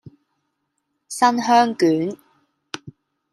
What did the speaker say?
新香卷